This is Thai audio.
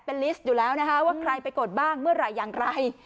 เป็นลิสต์อยู่แล้วนะคะว่าใครไปกดบ้างเมื่อไหร่อย่างไร